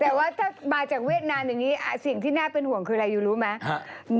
ถ้าว่าเอาจากเวรนันอย่างนี้อ่าสิ่งที่น่าเป็นห่วงคือไหนลุยรู้มั้ย